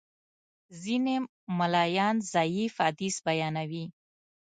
ځینې ملایان ضعیف حدیث بیانوي.